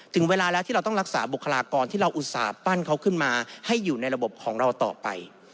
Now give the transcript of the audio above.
ถึงเวลาแล้วที่เราต้องรักษาบุคลากรที่เราอุตส่าห์ปั้นเขาขึ้นมาให้อยู่ในระบบของเราต่อไป